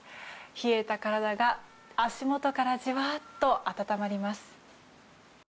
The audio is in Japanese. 冷えた体が足元からじわーっと温まります。